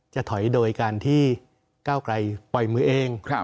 จะถอยโดยการที่ก้าวไกลปล่อยมือเอง